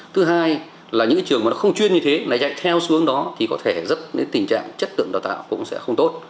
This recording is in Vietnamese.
thứ hai là những trường mà nó không chuyên như thế này chạy theo xuống đó thì có thể dẫn đến tình trạng chất lượng đào tạo cũng sẽ không tốt